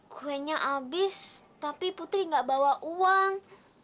kuenya abis tapi putri gak bawa uang